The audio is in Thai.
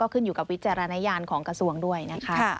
ขึ้นอยู่กับวิจารณญาณของกระทรวงด้วยนะคะ